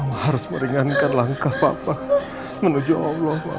mama harus meringankan langkah papa menuju allah ma